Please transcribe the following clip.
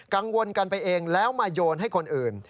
กังวลกันไปเองแล้วมาโยนให้คนอื่น